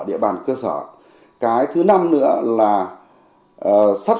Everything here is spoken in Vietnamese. địa bàn cơ sở cái thứ năm nữa là sắp